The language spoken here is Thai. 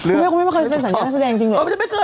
คุณแม่คุณแม่ไม่เคยเซ็นสัญญาแสดงจริงเหรอ